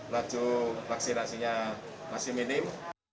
laju vaksinasinya masih minim